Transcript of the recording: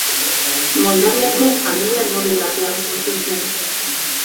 Moldaviako familia noble batean sortu zen.